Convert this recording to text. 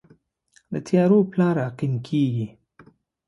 د تیارو پلار عقیم کیږي